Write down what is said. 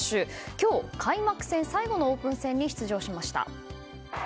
今日、開幕戦最後のオープン戦に出場しました。